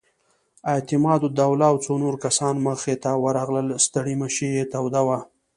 اعتماد الدوله او څو نور کسان مخې ته ورغلل، ستړې مشې یې توده وه.